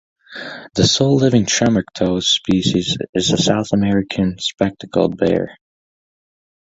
The sole living "Tremarctos" species is the South American spectacled bear.